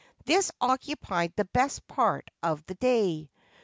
This occupied the best part of the day.